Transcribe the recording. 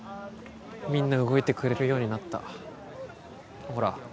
みんな動いてくれるようになったほら